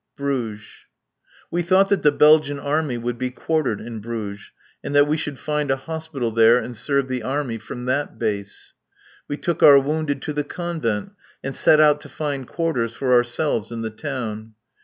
[Bruges.] We thought that the Belgian Army would be quartered in Bruges, and that we should find a hospital there and serve the Army from that base. We took our wounded to the Convent, and set out to find quarters for ourselves in the town.